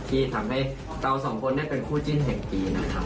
ที่ทำให้เราสองคนได้เป็นคู่จิ้นแห่งปีนะครับ